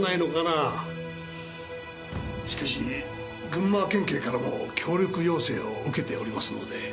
しかし群馬県警からも協力要請を受けておりますので。